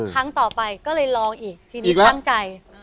ครั้งต่อไปก็เลยลองอีกทีนี้ตั้งใจ